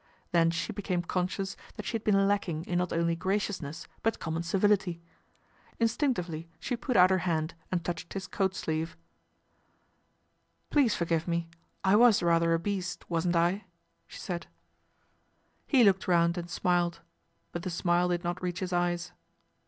Then she became conscious that she had been lacking in not only graciousness but common civility. Instinctively *he put out her hand and touched his coat sleeve. " Please forgive me, I was rather a beast, wasn't I ?" she said. LORD PETER PROMISES A SOLUTION 105 He looked round and smiled ; but the smile did not reach his eyes.